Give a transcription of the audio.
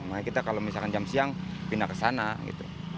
makanya kita kalau misalkan jam siang pindah ke sana gitu